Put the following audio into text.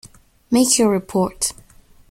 Make your report.